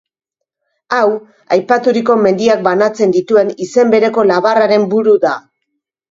Hau, aipaturiko mendiak banatzen dituen izen bereko labarraren buru da.